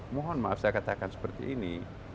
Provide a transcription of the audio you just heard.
mohon maaf saya katakan seperti ini